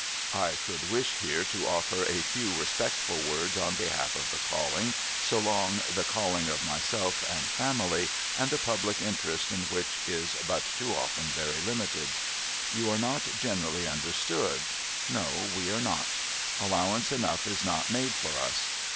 282 SOMEBODY'S LUGGAGE I could wish here to offer a few respectful words on behalf of the calling so long the calling of myself and family, and the public interest in which is but too often very limited. We are not generally understood. No, wc are not. Allowance enough is not made for us.